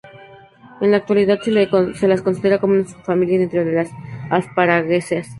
En la actualidad se las considera como una subfamilia dentro de las asparagáceas.